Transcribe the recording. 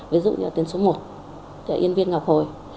ví dụ như là tuyến số một yên viên ngọc hồi